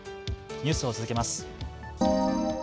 ニュースを続けます。